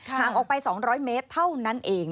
ห่างออกไป๒๐๐เมตรเท่านั้นเอง